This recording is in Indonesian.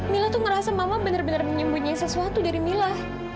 mila tuh ngerasa mama bener bener menyembunyikan sesuatu dari mila